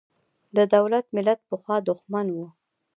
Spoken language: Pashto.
د دولت–ملت پخوا دښمن و.